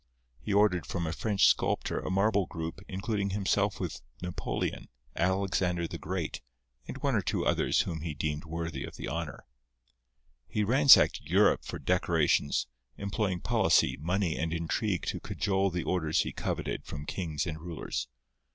He ordered from a French sculptor a marble group including himself with Napoleon, Alexander the Great, and one or two others whom he deemed worthy of the honour. He ransacked Europe for decorations, employing policy, money and intrigue to cajole the orders he coveted from kings and rulers.